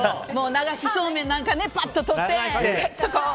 流しそうめんなんかパッと取って、グッと。